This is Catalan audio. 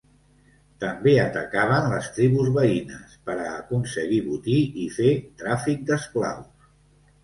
També atacaven les tribus veïnes per a aconseguir botí i fer tràfic d'esclaus.